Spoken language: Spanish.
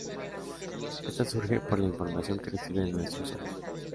Esta surge por la información que recibe de nuestros ojos.